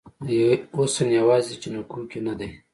حسن یوازې جینکو کې نه دی